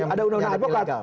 ada undang undang advokat